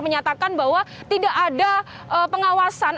menyatakan bahwa tidak ada pengawasan